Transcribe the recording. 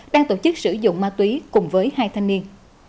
đang tổ chức sử dụng ma túy cùng với hai thanh niên